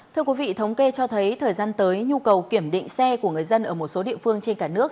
thưa quý vị thống kê cho thấy thời gian tới nhu cầu kiểm định xe của người dân ở một số địa phương trên cả nước